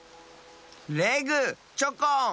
レグチョコン！